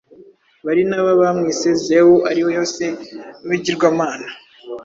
Barinaba bamwise Zewu; ari yo Se w’ibigirwamana.